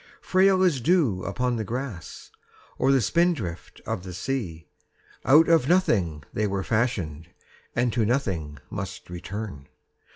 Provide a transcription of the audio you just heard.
Frail as dew upon the grass Or the spindrift of the sea, Out of nothing they were fashioned And to nothing must return.